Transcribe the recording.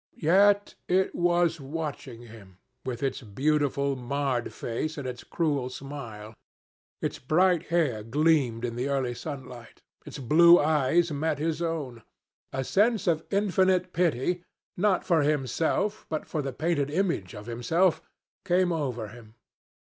Yet it was watching him, with its beautiful marred face and its cruel smile. Its bright hair gleamed in the early sunlight. Its blue eyes met his own. A sense of infinite pity, not for himself, but for the painted image of himself, came over him.